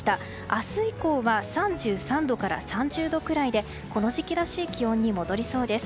明日以降は３３度から３０度くらいでこの時期らしい気温に戻りそうです。